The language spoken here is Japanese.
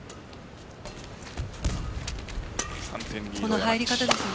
この入り方ですよね。